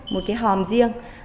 một cái hòm riêng